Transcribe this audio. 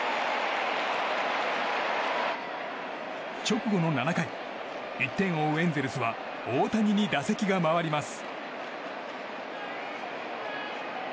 直後の７回１点を追うエンゼルスは大谷に打席が回ります。